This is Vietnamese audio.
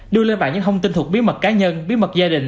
đưa lên bản những thông tin thuộc bí mật cá nhân bí mật gia đình